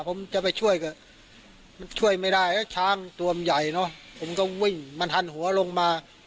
ผมจะไปช่วยก็มันช่วยไม่ได้ช้างตัวมันใหญ่เนอะผมก็วิ่งมันหันหัวลงมา